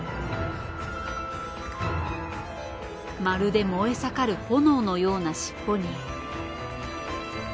まるで燃え盛る炎のような尻尾に。